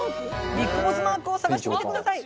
ビッグボスマークを探してみてください。